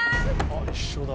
あっ一緒だ。